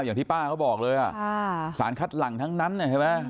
อย่างที่ป้าเขาบอกเลยสารคัดหลังทั้งนั้นใช่ไหม